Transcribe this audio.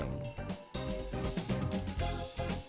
nah karena banyak referensi dari buku itu